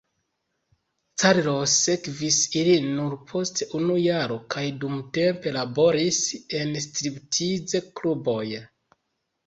Carlos sekvis ilin nur post unu jaro kaj dumtempe laboris en striptiz-kluboj.